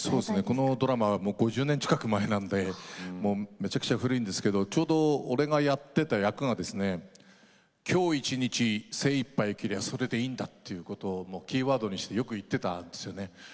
このドラマは５０年近く前なのでめちゃくちゃ古いんですがちょうど俺がやっていた役は「今日一日を精いっぱい生きればそれでいいんだ」ということをキーワードにしてよく言っていたんです。